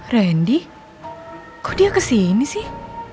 randy kok dia kesini sih